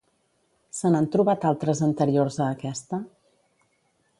Se n'han trobat altres anteriors a aquesta?